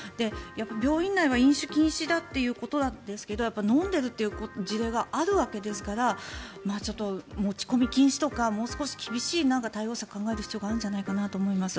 病院内は飲酒禁止ということなんですが飲んでいるという事例があるわけですからちょっと持ち込み禁止とかもう少し厳しい対応策を考える必要があるんじゃないかと思います。